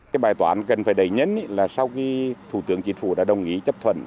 cái bài toán cần phải đẩy nhấn là sau khi thủ tướng chính phủ đã đồng ý chấp thuận